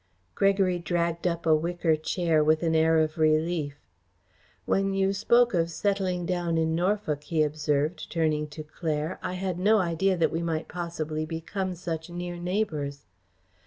Gregory dragged up a wicker chair, with an air of relief. "When you spoke of settling down in Norfolk," he observed, turning to Claire, "I had no idea that we might possibly become such near neighbours."